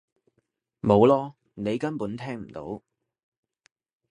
冇囉！你根本聽唔到！